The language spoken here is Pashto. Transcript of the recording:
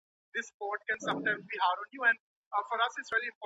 په بديو کي د نجلۍ ورکول څه حکم لري؟